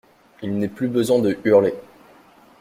Il n’est plus besoin de hurler.